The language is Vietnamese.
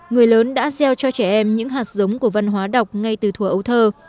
người lớn đã gieo cho trẻ em những hạt giống của văn hóa đọc ngay từ thùa ấu thơ